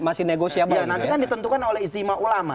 masih negosiable nanti kan ditentukan oleh izimah ulama